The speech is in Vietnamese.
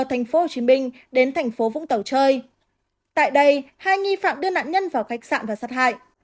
thành phố hồ chí minh đến thành phố vũng tàu chơi tại đây hai nghi phạm đưa nạn nhân vào khách sạn và sát hại